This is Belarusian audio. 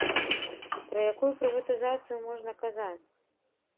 Пра якую прыватызацыю можна казаць?